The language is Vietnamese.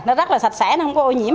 nó rất là sạch sẽ nó không có ô nhiễm